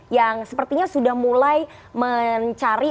yang sepertinya sudah mulai mencari